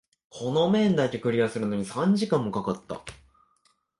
この面だけクリアするのに三時間も掛かった。